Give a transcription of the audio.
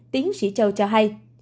tiến sĩ châu cho hay